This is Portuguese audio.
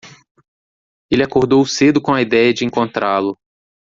Ele acordou cedo com a ideia de encontrá-lo.